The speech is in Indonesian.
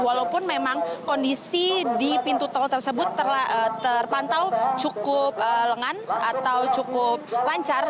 walaupun memang kondisi di pintu tol tersebut terpantau cukup lengan atau cukup lancar